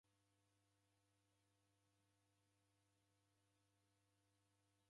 Kala w'adaw'da w'erefunyagha vizongona.